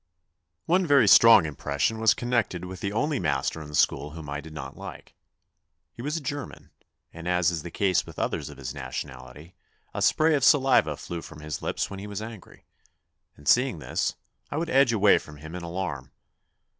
One very strong impression was connected with the only master in the school whom I did not like. He was a German, and as is the case with others of his nationality, a spray of saliva flew from his lips when he was angry, and seeing this, I would edge away from him in alarm.